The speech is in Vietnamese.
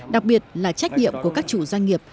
đặc biệt là trách nhiệm của các chủ doanh nghiệp